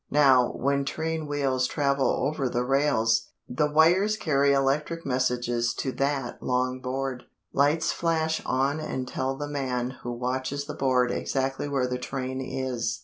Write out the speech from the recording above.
Now when train wheels travel over the rails, the wires carry electric messages to that long board. Lights flash on and tell the man who watches the board exactly where the train is.